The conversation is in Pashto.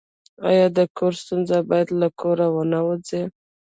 آیا د کور ستونزه باید له کوره ونه وځي؟